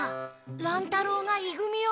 乱太郎がい組を。